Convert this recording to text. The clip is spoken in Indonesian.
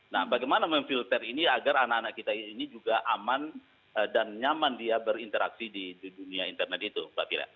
nah bagaimana memfilter ini agar anak anak kita ini juga aman dan nyaman dia berinteraksi di dunia internet itu mbak fira